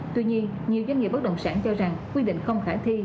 tuy nhiên nhiều doanh nghiệp bất động sản cho rằng quy định không khả thi